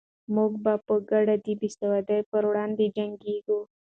موږ به په ګډه د بې سوادۍ پر وړاندې جنګېږو.